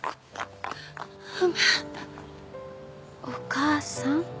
お母さん？